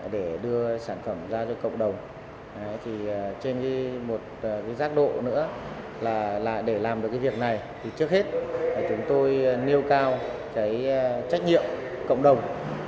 để đưa sản phẩm ra cho cộng đồng trên một giác độ nữa là để làm được việc này trước hết chúng tôi nêu cao trách nhiệm cộng đồng